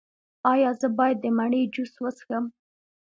ایا زه باید د مڼې جوس وڅښم؟